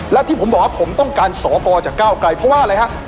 และที่ผมบอกว่าผมต้องการสวจากก้าวไกลเพราะว่าอะไรฮะ